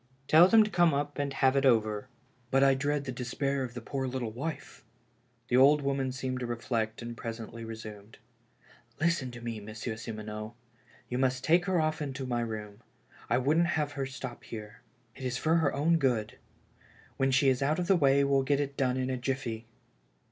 " Tell them to come up and have it over." " But I dread the despair of the poor little wife." The old woman seemed to reflect and presently re sumed : "Listen to me. Monsieur Simoneau. You must take her oft* to my room. I wouldn't have her stop here. It is for her own good. When she is out of the way we'll get it done in a jiffy."